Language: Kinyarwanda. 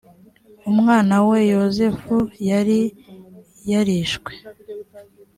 umwana we yozefu yari yarishwe.